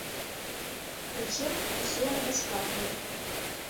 Прычым, усе яны бясплатныя.